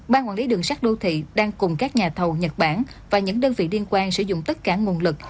ban quản lý đường sát đô thị đang cùng các nhà thầu nhật bản và những đơn vị liên quan sử dụng tất cả các đoàn tàu